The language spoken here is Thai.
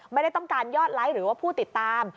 ไม่ได้ต้องการยอดไลค์หรือว่าผู้ติดตาม